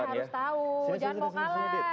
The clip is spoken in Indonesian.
harus tahu jangan mau kalah